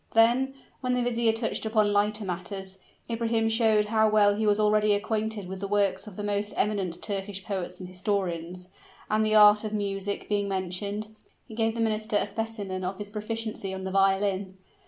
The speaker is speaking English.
Then, when the vizier touched upon lighter matters, Ibrahim showed how well he was already acquainted with the works of the most eminent Turkish poets and historians; and the art of music being mentioned, he gave the minister a specimen of his proficiency on the violin.